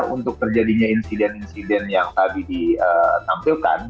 untuk terjadinya insiden insiden yang tadi ditampilkan